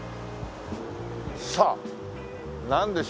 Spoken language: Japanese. さあなんでしょうか